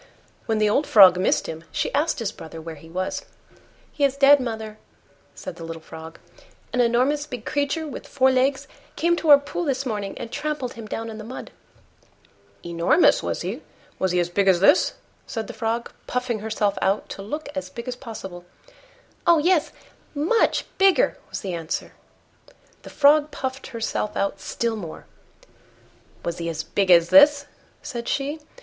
When the old Frog missed him, she asked his brother where he was. "He is dead, mother," said the little Frog; "an enormous big creature with four legs came to our pool this morning and trampled him down in the mud." "Enormous, was he? Was he as big as this?" said the Frog, puffing herself out to look as big as possible. "Oh! yes, much bigger," was the answer. The Frog puffed herself out still more. "Was he as big as this?" said she.